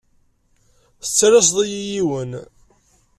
Tettalaseḍ-iyi yiwen.